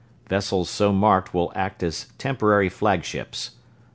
Vessels so marked will act as temporary flagships.